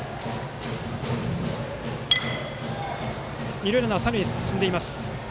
二塁ランナーは三塁へ進んでいます。